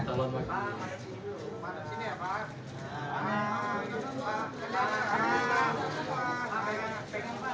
semua yang bersangkutan